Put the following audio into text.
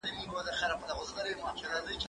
زه مخکي مڼې خوړلي وو!.